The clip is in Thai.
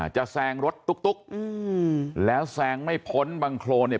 จะแซงรถตุ๊กตุ๊กอืมแล้วแซงไม่พ้นบังโครเนี้ย